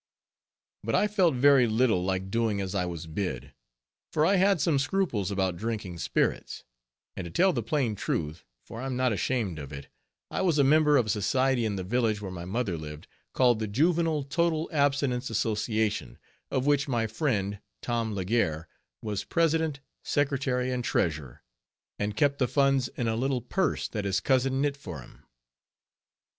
But I felt very little like doing as I was bid, for I had some scruples about drinking spirits; and to tell the plain truth, for I am not ashamed of it, I was a member of a society in the village where my mother lived, called the Juvenile Total Abstinence Association, of which my friend, Tom Legare, was president, secretary, and treasurer, and kept the funds in a little purse that his cousin knit for him.